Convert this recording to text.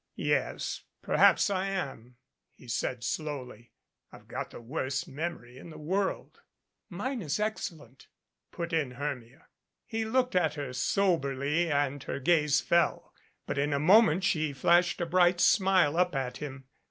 "Yes, perhaps I am," he said slowly. "I've got the worst memory in the world " "Mine is excellent," put in Hermia. He looked at her soberly, and her gaze fell, but in a moment she flashed a bright smile up at him.